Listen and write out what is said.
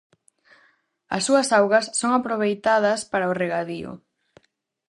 As súas augas son aproveitadas para o regadío.